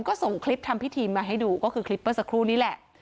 ก็ส่งคลิปทำพิธีมาให้ดูก็คือคลิปเมื่อสักครู่นี้แหละ